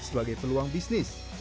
sebagai peluang bisnis